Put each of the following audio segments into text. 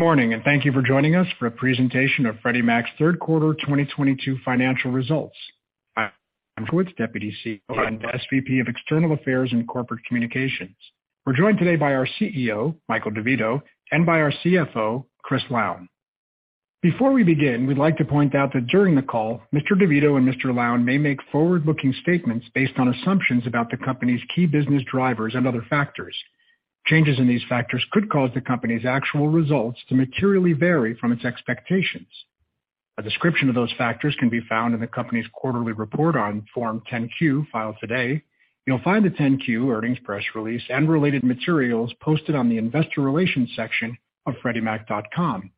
Good morning. Thank you for joining us for a presentation of Freddie Mac's third quarter 2022 financial results. I'm Jeff Rhodes, Deputy CEO and SVP of External Affairs and Corporate Communications. We're joined today by our CEO, Michael DeVito, and by our CFO, Chris Lown. Before we begin, we'd like to point out that during the call, Mr. DeVito and Mr. Lown may make forward-looking statements based on assumptions about the company's key business drivers and other factors. Changes in these factors could cause the company's actual results to materially vary from its expectations. A description of those factors can be found in the company's quarterly report on Form 10-Q, filed today. You'll find the 10-Q earnings press release and related materials posted on the investor relations section of freddiemac.com.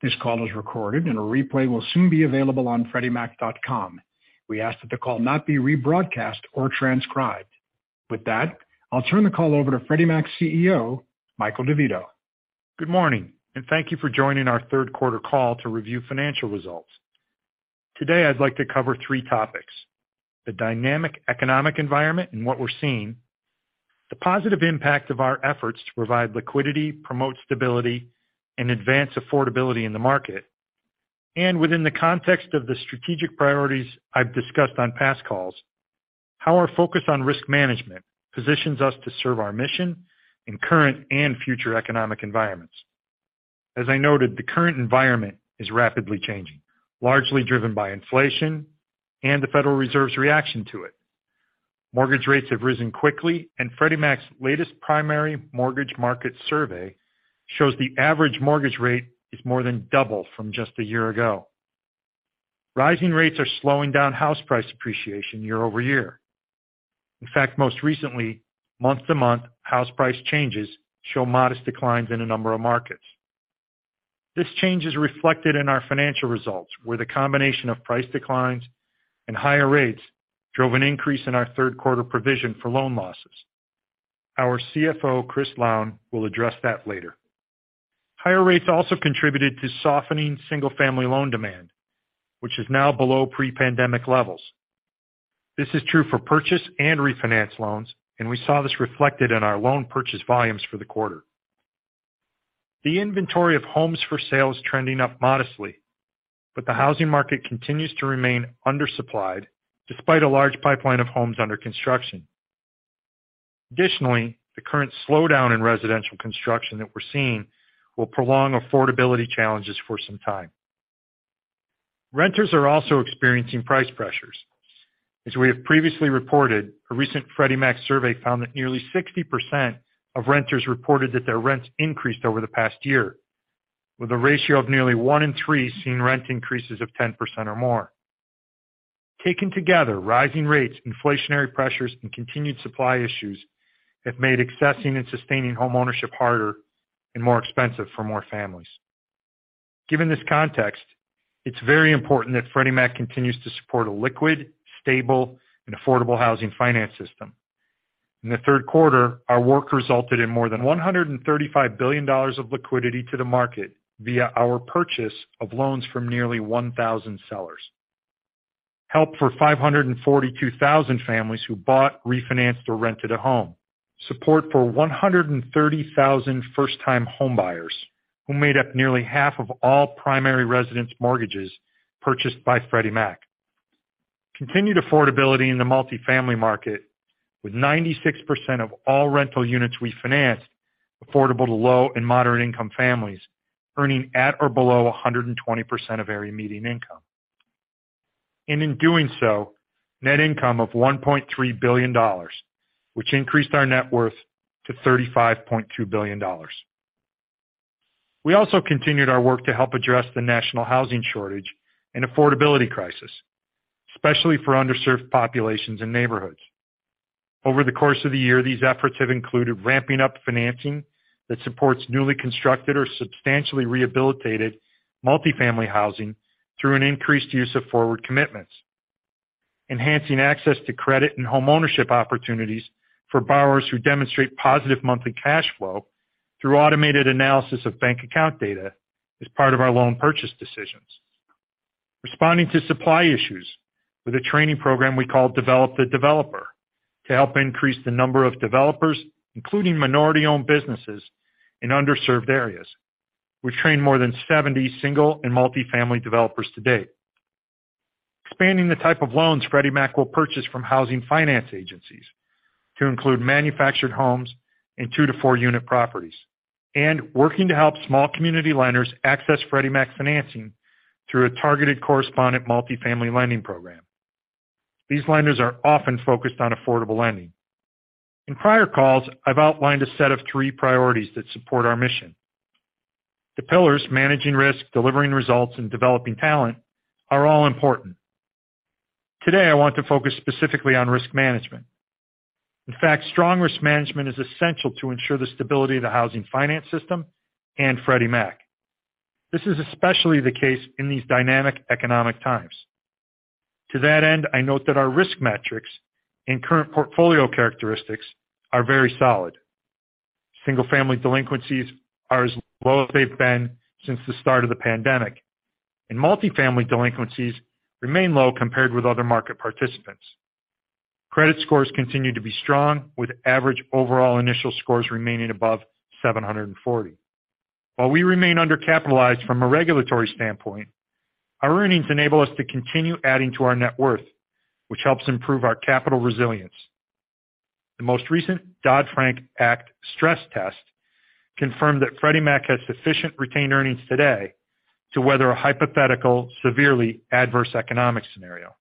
This call is recorded. A replay will soon be available on freddiemac.com. We ask that the call not be rebroadcast or transcribed. With that, I'll turn the call over to Freddie Mac's CEO, Michael DeVito. Good morning. Thank you for joining our third quarter call to review financial results. Today, I'd like to cover three topics. The dynamic economic environment and what we're seeing, the positive impact of our efforts to provide liquidity, promote stability, and advance affordability in the market. Within the context of the strategic priorities I've discussed on past calls, how our focus on risk management positions us to serve our mission in current and future economic environments. As I noted, the current environment is rapidly changing, largely driven by inflation and the Federal Reserve's reaction to it. Mortgage rates have risen quickly, and Freddie Mac's latest Primary Mortgage Market Survey shows the average mortgage rate is more than double from just a year ago. Rising rates are slowing down house price appreciation year-over-year. In fact, most recently, month-to-month, house price changes show modest declines in a number of markets. This change is reflected in our financial results, where the combination of price declines and higher rates drove an increase in our third quarter provision for credit losses. Our CFO, Chris Lown, will address that later. Higher rates also contributed to softening single-family loan demand, which is now below pre-pandemic levels. This is true for purchase and refinance loans. We saw this reflected in our loan purchase volumes for the quarter. The inventory of homes for sale is trending up modestly, but the housing market continues to remain undersupplied despite a large pipeline of homes under construction. Additionally, the current slowdown in residential construction that we're seeing will prolong affordability challenges for some time. Renters are also experiencing price pressures. As we have previously reported, a recent Freddie Mac survey found that nearly 60% of renters reported that their rents increased over the past year, with a ratio of nearly one in three seeing rent increases of 10% or more. Taken together, rising rates, inflationary pressures, and continued supply issues have made accessing and sustaining homeownership harder and more expensive for more families. Given this context, it's very important that Freddie Mac continues to support a liquid, stable, and affordable housing finance system. In the third quarter, our work resulted in more than $135 billion of liquidity to the market via our purchase of loans from nearly 1,000 sellers. Help for 542,000 families who bought, refinanced, or rented a home. Support for 130,000 first-time homebuyers who made up nearly half of all primary residence mortgages purchased by Freddie Mac. Continued affordability in the multifamily market, with 96% of all rental units we financed affordable to low and moderate-income families earning at or below 120% of area median income. In doing so, net income of $1.3 billion, which increased our net worth to $35.2 billion. We also continued our work to help address the national housing shortage and affordability crisis, especially for underserved populations and neighborhoods. Over the course of the year, these efforts have included ramping up financing that supports newly constructed or substantially rehabilitated multifamily housing through an increased use of forward commitments. Enhancing access to credit and homeownership opportunities for borrowers who demonstrate positive monthly cash flow through automated analysis of bank account data as part of our loan purchase decisions. Responding to supply issues with a training program we call Develop the Developer to help increase the number of developers, including minority-owned businesses in underserved areas. We've trained more than 70 single and multifamily developers to date. Expanding the type of loans Freddie Mac will purchase from housing finance agencies to include manufactured homes and two to four-unit properties. Working to help small community lenders access Freddie Mac financing through a targeted correspondent multifamily lending program. These lenders are often focused on affordable lending. In prior calls, I've outlined a set of three priorities that support our mission. The pillars, managing risk, delivering results, and developing talent are all important. Today, I want to focus specifically on risk management. In fact, strong risk management is essential to ensure the stability of the housing finance system and Freddie Mac. This is especially the case in these dynamic economic times. To that end, I note that our risk metrics and current portfolio characteristics are very solid. Single-family delinquencies are as low as they've been since the start of the pandemic, and multifamily delinquencies remain low compared with other market participants. Credit scores continue to be strong, with average overall initial scores remaining above 740. While we remain undercapitalized from a regulatory standpoint, our earnings enable us to continue adding to our net worth, which helps improve our capital resilience. The most recent Dodd-Frank Act stress test confirmed that Freddie Mac has sufficient retained earnings today to weather a hypothetical severely adverse economic scenario.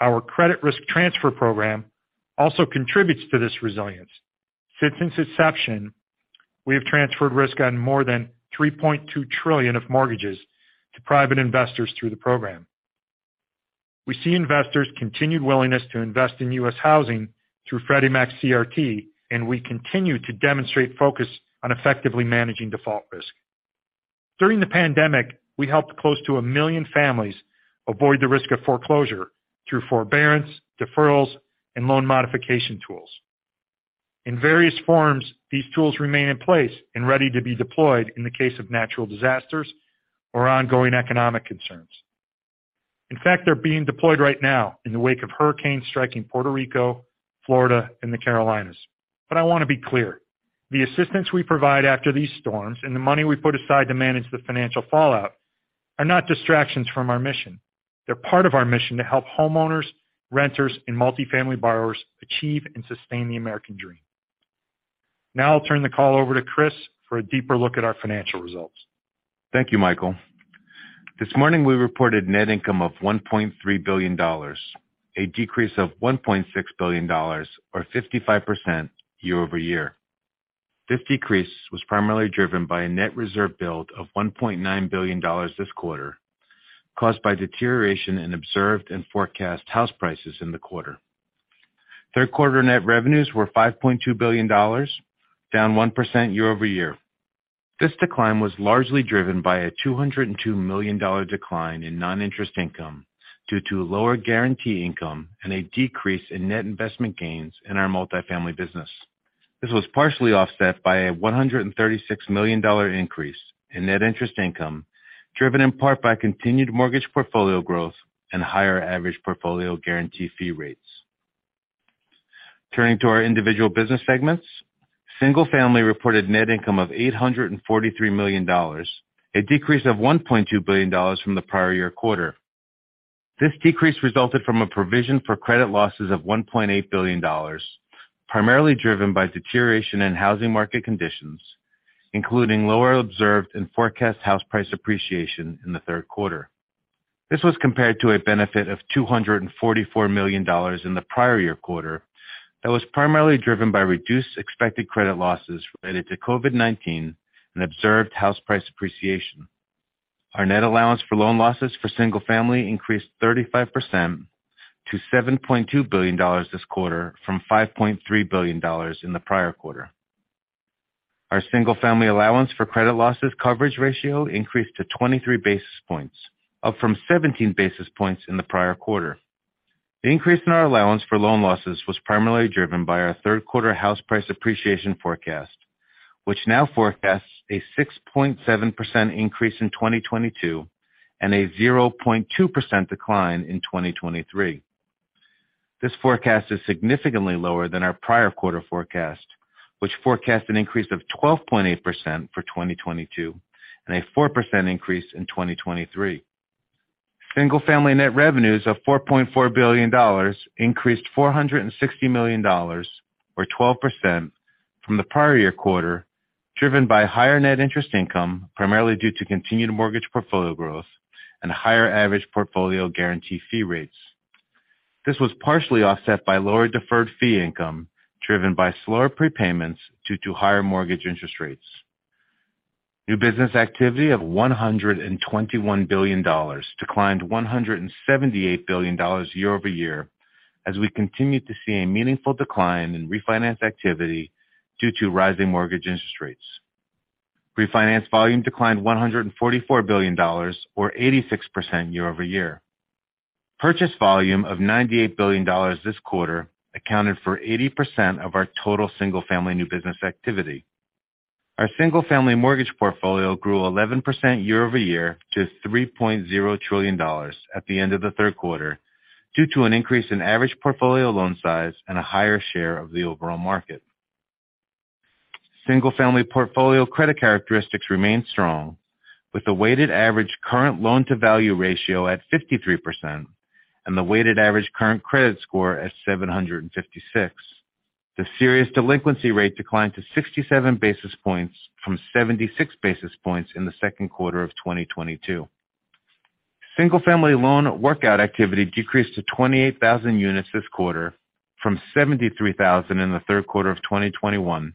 Our credit risk transfer program also contributes to this resilience. Since its inception, we have transferred risk on more than $3.2 trillion of mortgages to private investors through the program. We see investors' continued willingness to invest in U.S. housing through Freddie Mac CRT, and we continue to demonstrate focus on effectively managing default risk. During the pandemic, we helped close to 1 million families avoid the risk of foreclosure through forbearance, deferrals, and loan modification tools. In various forms, these tools remain in place and ready to be deployed in the case of natural disasters or ongoing economic concerns. In fact, they're being deployed right now in the wake of hurricanes striking Puerto Rico, Florida, and the Carolinas. I want to be clear, the assistance we provide after these storms and the money we put aside to manage the financial fallout are not distractions from our mission. They're part of our mission to help homeowners, renters, and multifamily borrowers achieve and sustain the American dream. I'll turn the call over to Chris for a deeper look at our financial results. Thank you, Michael. This morning, we reported net income of $1.3 billion, a decrease of $1.6 billion or 55% year-over-year. This decrease was primarily driven by a net reserve build of $1.9 billion this quarter, caused by deterioration in observed and forecast house prices in the quarter. Third quarter net revenues were $5.2 billion, down 1% year-over-year. This decline was largely driven by a $202 million decline in non-interest income due to lower guarantee income and a decrease in net investment gains in our multifamily business. This was partially offset by a $136 million increase in net interest income, driven in part by continued mortgage portfolio growth and higher average portfolio guarantee fee rates. Turning to our individual business segments, single-family reported net income of $843 million, a decrease of $1.2 billion from the prior year quarter. This decrease resulted from a provision for credit losses of $1.8 billion, primarily driven by deterioration in housing market conditions, including lower observed and forecast house price appreciation in the third quarter. This was compared to a benefit of $244 million in the prior year quarter that was primarily driven by reduced expected credit losses related to COVID-19 and observed house price appreciation. Our net allowance for loan losses for single-family increased 35% to $7.2 billion this quarter from $5.3 billion in the prior quarter. Our single-family allowance for credit losses coverage ratio increased to 23 basis points, up from 17 basis points in the prior quarter. The increase in our allowance for loan losses was primarily driven by our third quarter house price appreciation forecast, which now forecasts a 6.7% increase in 2022 and a 0.2% decline in 2023. This forecast is significantly lower than our prior quarter forecast, which forecast an increase of 12.8% for 2022 and a 4% increase in 2023. Single-family net revenues of $4.4 billion increased $460 million, or 12%, from the prior year quarter, driven by higher net interest income, primarily due to continued mortgage portfolio growth and higher average portfolio guarantee fee rates. This was partially offset by lower deferred fee income driven by slower prepayments due to higher mortgage interest rates. New business activity of $121 billion declined $178 billion year-over-year as we continued to see a meaningful decline in refinance activity due to rising mortgage interest rates. Refinance volume declined $144 billion or 86% year-over-year. Purchase volume of $98 billion this quarter accounted for 80% of our total single-family new business activity. Our single-family mortgage portfolio grew 11% year-over-year to $3.0 trillion at the end of the third quarter due to an increase in average portfolio loan size and a higher share of the overall market. Single-family portfolio credit characteristics remained strong with a weighted average current loan-to-value ratio at 53% and the weighted average current credit score at 756. The serious delinquency rate declined to 67 basis points from 76 basis points in the second quarter of 2022. Single-family loan workout activity decreased to 28,000 units this quarter from 73,000 in the third quarter of 2021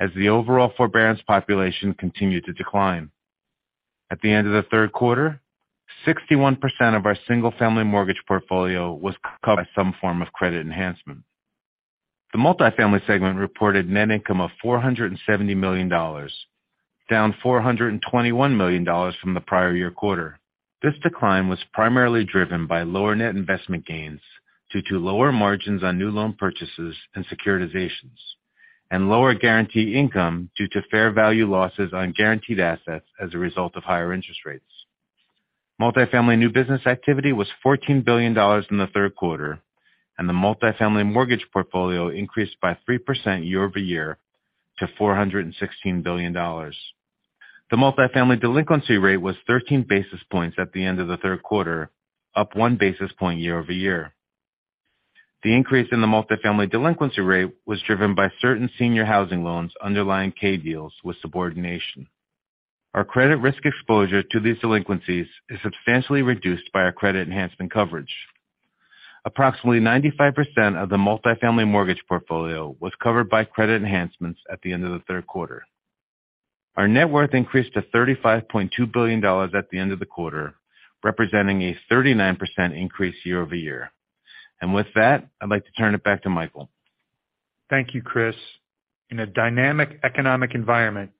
as the overall forbearance population continued to decline. At the end of the third quarter, 61% of our single-family mortgage portfolio was covered by some form of credit enhancement. The multifamily segment reported net income of $470 million, down $421 million from the prior year quarter. This decline was primarily driven by lower net investment gains due to lower margins on new loan purchases and securitizations and lower guarantee income due to fair value losses on guaranteed assets as a result of higher interest rates. Multifamily new business activity was $14 billion in the third quarter, and the multifamily mortgage portfolio increased by 3% year-over-year to $416 billion. The multifamily delinquency rate was 13 basis points at the end of the third quarter, up one basis point year-over-year. The increase in the multifamily delinquency rate was driven by certain senior housing loans underlying K-Deals with subordination. Our credit risk exposure to these delinquencies is substantially reduced by our credit enhancement coverage. Approximately 95% of the multifamily mortgage portfolio was covered by credit enhancements at the end of the third quarter. Our net worth increased to $35.2 billion at the end of the quarter, representing a 39% increase year-over-year. With that, I'd like to turn it back to Michael. Thank you, Chris. In a dynamic economic environment,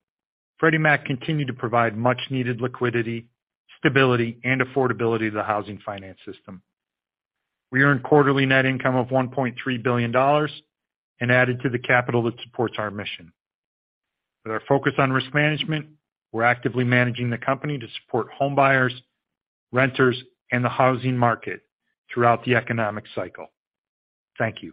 Freddie Mac continued to provide much-needed liquidity, stability, and affordability to the housing finance system. We earned quarterly net income of $1.3 billion and added to the capital that supports our mission. With our focus on risk management, we're actively managing the company to support homebuyers, renters, and the housing market throughout the economic cycle. Thank you.